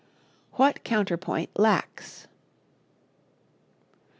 What Counterpoint Lacks.